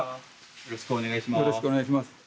よろしくお願いします。